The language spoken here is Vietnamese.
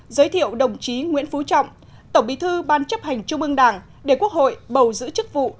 giới thiệu đồng chí nguyễn phú trọng tổng bí thư ban chấp hành trung ương đảng để quốc hội bầu giữ chức vụ